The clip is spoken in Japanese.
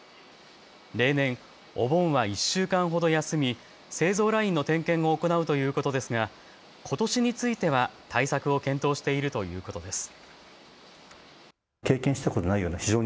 例年、お盆は１週間ほど休み製造ラインの点検を行うということですがことしについては対策を検討しているということです。